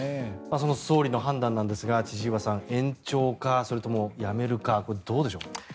その総理の判断なんですが千々岩さん、延長かやめるか、これはどうでしょう。